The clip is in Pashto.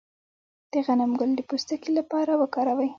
د غنم ګل د پوستکي لپاره وکاروئ